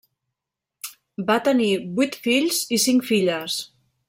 Va tenir vuit fills i cinc filles.